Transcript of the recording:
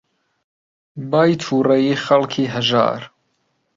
بای تووڕەیی خەڵکی هەژار